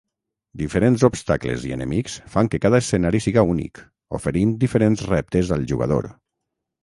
Diferents obstacles i enemics fan que cada escenari siga únic, oferint diferents reptes al jugador.